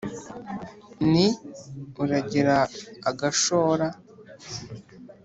ni uragira agashora